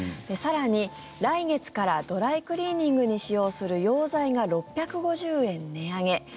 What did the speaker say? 更に来月からドライクリーニングに使用する溶剤が６５０円値上げ。